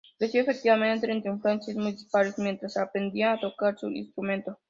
Creció, efectivamente, entre influencias muy dispares mientras aprendía a tocar su instrumento.